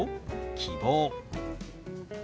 「希望」。